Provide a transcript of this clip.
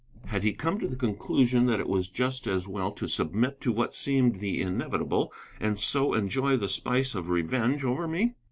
Had he come to the conclusion that it was just as well to submit to what seemed the inevitable and so enjoy the spice of revenge over me?